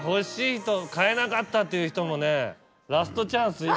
買えなかったっていう人もねラストチャンス１個。